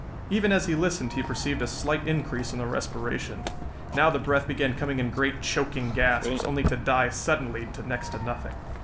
Even as he listened he perceived a slight increase in the respiration. Now the breath began coming in great, choking gasps, only to die suddenly to next to nothing.